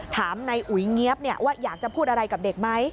ถามนายอุ๋ยเงี๊ยบว่าอยากจะพูดอะไรกับเด็กไหม